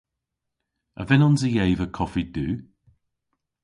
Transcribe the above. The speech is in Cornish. A vynnons i eva koffi du?